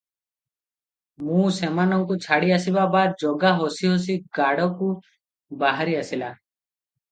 ମୁଁ ସେମାନଙ୍କୁ ଛାଡ଼ିଆସିବା ବାଦ୍ ଜଗା ହସି ହସି ଗାଡ଼ରୁ ବାହାରି ଆସିଲା!